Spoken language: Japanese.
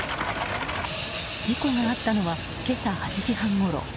事故があったのは今朝８時半ごろ。